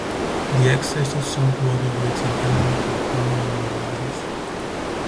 The excess is sold to other grids in Canada, California and other regions.